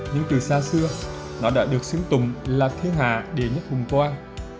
nhưng từ xa xưa nó đã được xứng tùng là thiên hà để nhất hùng quan